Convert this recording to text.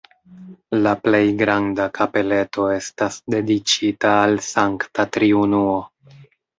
La plej granda kapeleto estas dediĉita al Sankta Triunuo.